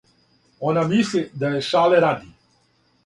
Она мисли да је шале ради.